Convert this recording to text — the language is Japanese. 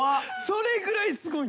それぐらいすごい。